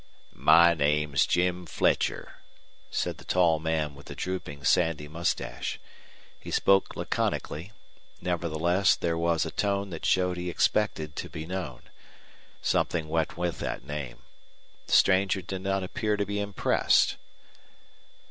"My name's Jim Fletcher," said the tall man with the drooping, sandy mustache. He spoke laconically, nevertheless there was a tone that showed he expected to be known. Something went with that name. The stranger did not appear to be impressed.